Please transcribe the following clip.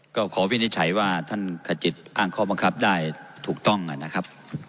ก็ขอวินิจฉัยว่าท่านขจิตอ้างข้อบังคับได้ถูกต้องนะครับ